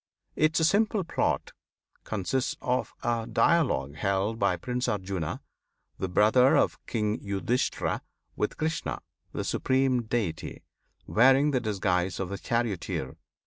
Its simple plot consists of a dialogue held by Prince Arjuna, the brother of King Yudhisthira, with Krishna, the Supreme Deity, wearing the disguise of a charioteer.